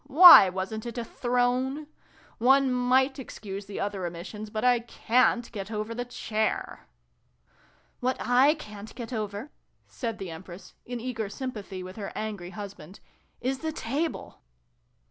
Why wasn't it a throne ? One might excuse the other omissions, but I cant get over the chair !"" W'hat / ca'n't get over," said the Empress, in eager sympathy with her angry husband, " is the table